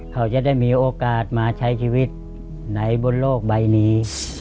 โปรดติดตามตอนต่อไป